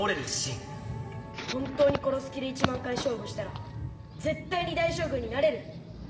本当に殺す気で１万回勝負したら絶対に大将軍になれる。